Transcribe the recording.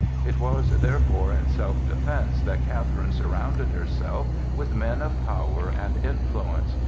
It was therefore in self defence that Catherine surrounded herself with men of power and influence.